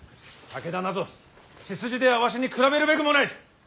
武田なぞ血筋ではわしに比べるべくもない。